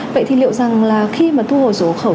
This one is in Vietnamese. vậy thì liệu rằng là khi mà thu hồi sổ khẩu